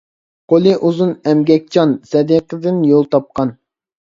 قولى ئۇزۇن ئەمگەكچان، سەدىقىدىن يول تاپقان.